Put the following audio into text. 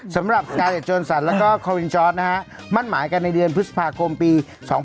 สำหรับการจัดโจรสันแล้วก็คอวินจอร์ดนะฮะมั่นหมายกันในเดือนพฤษภาคมปี๒๕๖